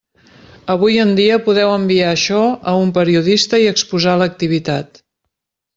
Avui en dia podeu enviar això a un periodista i exposar l'activitat.